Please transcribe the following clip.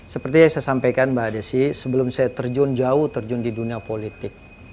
seperti yang saya sampaikan mbak desi sebelum saya terjun jauh terjun di dunia politik